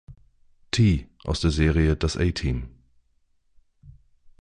T" aus der Serie "Das A-Team".